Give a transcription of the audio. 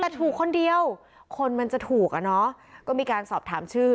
แต่ถูกคนเดียวคนมันจะถูกอ่ะเนอะก็มีการสอบถามชื่อ